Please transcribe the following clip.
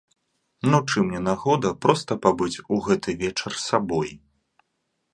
Ну, чым не нагода проста пабыць у гэты вечар сабой?